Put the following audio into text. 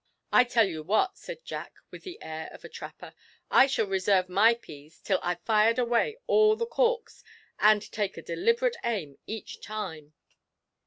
'I tell you what,' said Jack, with the air of a trapper, 'I shall reserve my peas till I've fired away all the corks, and take a deliberate aim each time.'